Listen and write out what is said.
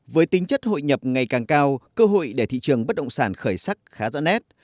với tính chất hội nhập ngày càng cao cơ hội để thị trường bất động sản khởi sắc khá rõ nét